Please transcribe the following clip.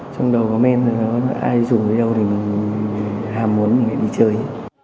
trong đầu có men ai dùng đi đâu thì hàm muốn mình lại đi chơi